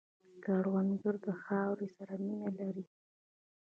کروندګر د خاورې سره مینه لري